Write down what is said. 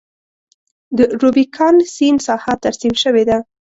د روبیکان سیند ساحه ترسیم شوې ده.